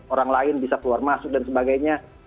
orang lain bisa keluar masuk dan sebagainya